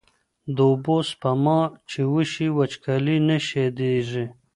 د اوبو سپما چې وشي، وچکالي نه شدېږي.